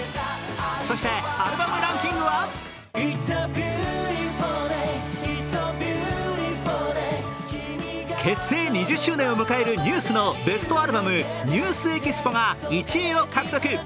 そして、アルバムランキングは結成２０周年を迎えるＮＥＷＳのベストアルバム「ＮＥＷＳＥＸＰＯ」が１位を獲得。